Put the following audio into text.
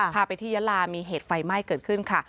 พาไปที่ยาลามีเหตุไฟไหม้เกิดขึ้นค่ะ